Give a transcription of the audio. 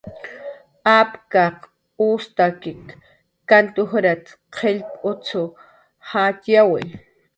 "Apkaq ukstak kant ujrat"" qillp utz jayyawi."